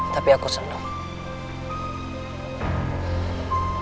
tapi aku senang